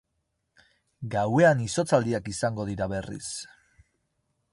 Gauean izotzaldian izango dira berriz.